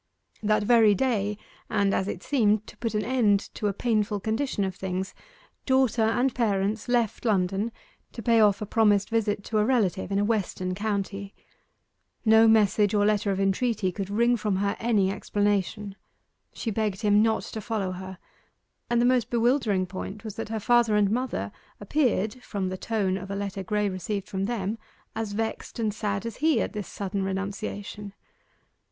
That very day, and as it seemed, to put an end to a painful condition of things, daughter and parents left London to pay off a promised visit to a relative in a western county. No message or letter of entreaty could wring from her any explanation. She begged him not to follow her, and the most bewildering point was that her father and mother appeared, from the tone of a letter Graye received from them, as vexed and sad as he at this sudden renunciation.